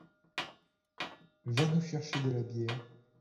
Va nous chercher de la bière.